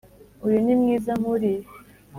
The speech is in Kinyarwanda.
uyu ni mwiza nkuriya.